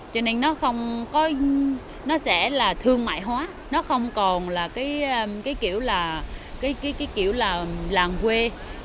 cho nên nó sẽ là thương mại hóa nó không còn là cái kiểu là làng quê